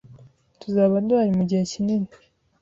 Tuzaba duhari mugihe kinini.